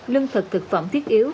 lương thực cực kỳ lương thực cực kỳ